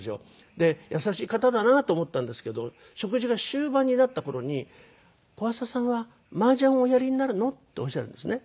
で優しい方だなと思ったんですけど食事が終盤になった頃に「小朝さんは麻雀をおやりになるの？」っておっしゃるんですね。